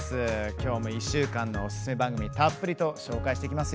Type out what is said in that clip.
きょうも１週間のおすすめ番組をたっぷりとご紹介します。